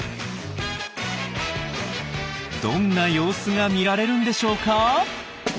どんな様子が見られるんでしょうか？